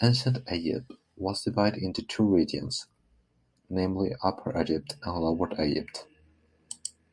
Ancient Egypt was divided into two regions, namely Upper Egypt and Lower Egypt.